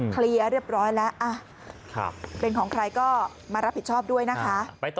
เคลียร์เรียบร้อยแล้วเป็นของใครก็มารับผิดชอบด้วยนะคะ